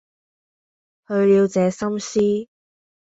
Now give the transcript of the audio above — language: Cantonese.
去了這心思，